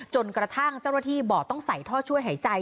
จนกระทั่งเจ้าหน้าที่บอกต้องใส่ท่อช่วยหายใจ